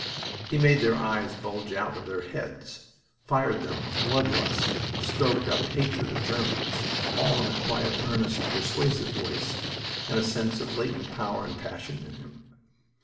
He made their eyes bulge out of their heads, fired them with blood lust, stoked up hatred of Germans all in a quiet, earnest, persuasive voice, and a sense of latent power and passion in him.